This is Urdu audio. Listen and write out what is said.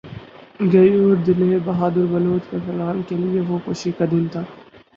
غیور دلیر بہادر بلوچ مسلمان کے لیئے وہ خوشی کا دن تھا